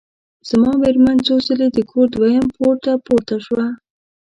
زما مېرمن څو ځلي د کور دویم پوړ ته پورته شوه.